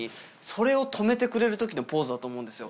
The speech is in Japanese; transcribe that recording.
それを止めてくれるときのポーズだと思うんですよ。